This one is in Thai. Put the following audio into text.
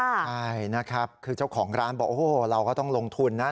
ใช่นะครับคือเจ้าของร้านบอกโอ้โหเราก็ต้องลงทุนนะ